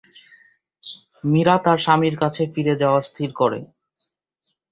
মীরা তার স্বামীর কাছে ফিরে যাওয়া স্থির করে।